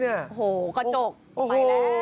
โหกระโจกไปแล้ว